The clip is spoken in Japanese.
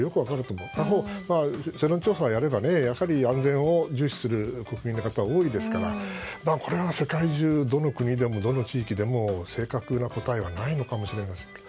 あと、他方調査をやれば安全を重視する方が多いですから、これは世界中どの国でもどの地域でも、正確な答えはないのかもしれません。